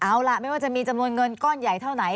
เอาล่ะไม่ว่าจะมีจำนวนเงินก้อนใหญ่เท่าไหน